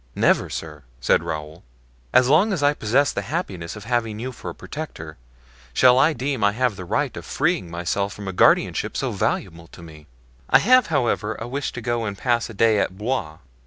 "Never, sir," said Raoul, "as long as I possess the happiness of having you for a protector, shall I deem I have the right of freeing myself from a guardianship so valuable to me. I have, however, a wish to go and pass a day at Blois.